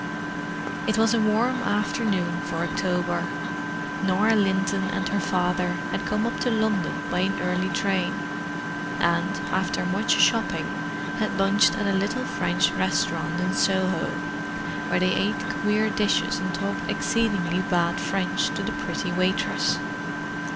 It was a warm afternoon for October. Norah Linton and her father had come up to London by an early train, and, after much shopping, had lunched at a little French restaurant in Soho, where they ate queer dishes and talked exceedingly bad French to the pretty waitress.